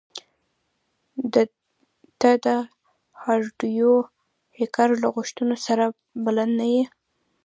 ته د هارډویر هیکر له غوښتنو سره بلد نه یې